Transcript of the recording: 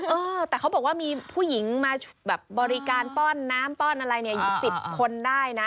เออแต่เขาบอกว่ามีผู้หญิงมาแบบบริการป้อนน้ำป้อนอะไรเนี่ยอยู่๑๐คนได้นะ